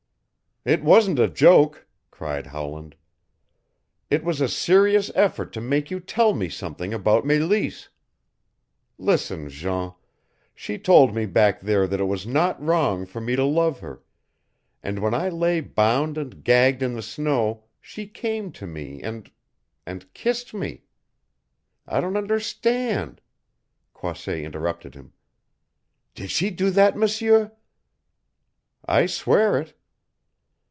"It wasn't a joke," cried Howland. "It was a serious effort to make you tell me something about Meleese. Listen, Jean she told me back there that it was not wrong for me to love her, and when I lay bound and gagged in the snow she came to me and and kissed me. I don't understand " Croisset interrupted him. "Did she do that, M'seur?" "I swear it."